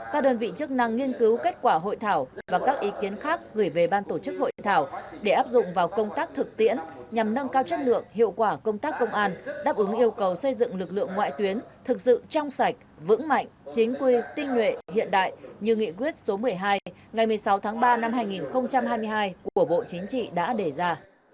các đơn vị chức năng nghiên cứu kết quả hội thảo và các ý kiến khác gửi về ban tổ chức hội thảo để áp dụng vào công tác thực tiễn nhằm nâng cao chất lượng hiệu quả công tác công an đáp ứng yêu cầu xây dựng lực lượng ngoại tuyến thực sự trong sạch vững mạnh chính quy tinh nguyện hiện đại như nghị quyết số một mươi hai ngày một mươi sáu tháng ba năm hai nghìn hai mươi hai của bộ chính trị đã đề ra